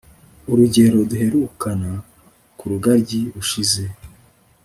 urugero «duherukana kurugaryi rushije